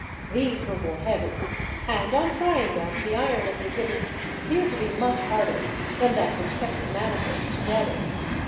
These were more heavy, and on trying them, the iron of the rivet appeared to be much harder than that which kept the manacles together.